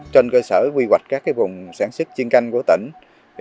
trên cơ sở quy hoạch các vùng sản xuất chiên canh của tỉnh